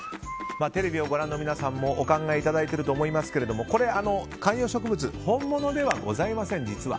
テレビをご覧の皆さんもお考えいただいていると思いますが観葉植物、本物ではございません。